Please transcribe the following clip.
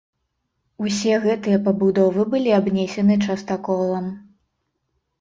Усе гэтыя пабудовы былі абнесены частаколам.